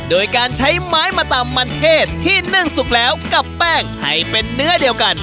โดยการใช้ไม้มาตำมันเทศที่นึ่งสุกแล้วกับแป้งให้เป็นเนื้อเดียวกัน